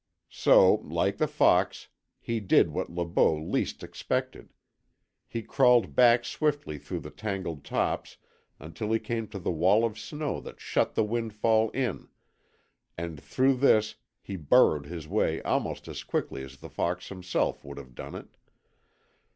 So, like the fox, he did what Le Beau least expected. He crawled back swiftly through the tangled tops until he came to the wall of snow that shut the windfall in, and through this he burrowed his way almost as quickly as the fox himself would have done it.